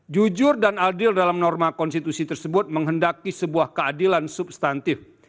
jujur dan adil dalam norma konstitusi tersebut menghendaki sebuah keadilan substantif